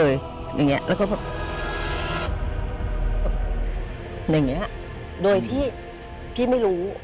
อย่างเงี้ยโดยที่พี่ไม่รู้